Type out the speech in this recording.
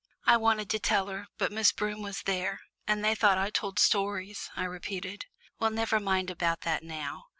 "I wanted to tell her, but Miss Broom was there, and they thought I told stories," I repeated. "Well, never mind about that now.